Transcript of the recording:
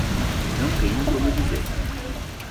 Não tenho como dizer